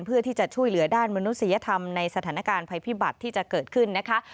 เพื่อที่จะช่วยเหลือด้านมนุษยธรรมในสถานการณ์ภัยพิบัติที่จะเกิดขึ้นนะคะ